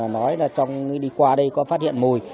nói là đi qua đây có phát hiện mùi